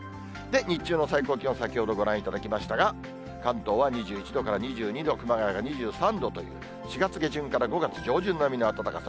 日中の最高気温、先ほどご覧いただきましたが、関東は２１度から２２度、熊谷が２３度という、４月下旬から５月上旬並みの暖かさ。